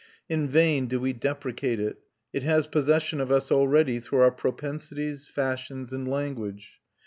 In vain do we deprecate it; it has possession of us already through our propensities, fashions, and language.